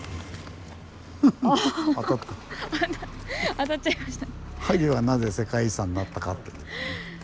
当たっちゃいました。